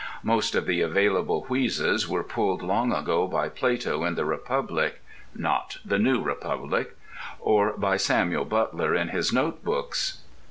Most of the available wheezes were pulled long ago by Plato in the Republic (not the New Republic) or by Samuel Butler in his Notebooks.